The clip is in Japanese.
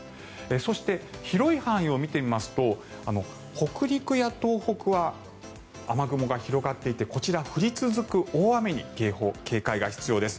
そして、広い範囲を見てみますと北陸や東北は雨雲が広がっていてこちら、降り続く大雨に警戒が必要です。